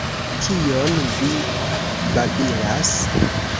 Kion vi babilas!